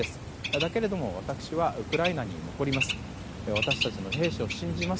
だけど、私はウクライナに残ります。